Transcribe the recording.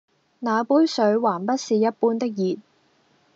那杯水還不是一般的熱